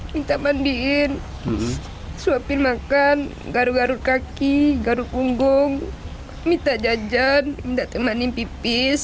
minta mandiin suapin makan garuk kaki garuk punggung minta jajan minta temanin pipis